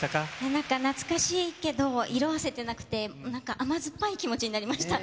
なんか懐かしいけど、色あせてなくて、なんか甘酸っぱい気持ちになりました。